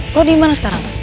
lo dimana sekarang